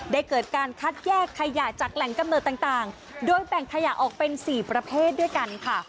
เกิดการคัดแยกขยะจากแหล่งกำเนิดต่างโดยแบ่งขยะออกเป็น๔ประเภทด้วยกันค่ะ